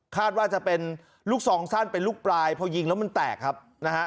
ว่าจะเป็นลูกซองสั้นเป็นลูกปลายพอยิงแล้วมันแตกครับนะฮะ